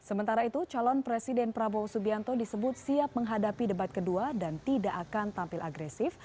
sementara itu calon presiden prabowo subianto disebut siap menghadapi debat kedua dan tidak akan tampil agresif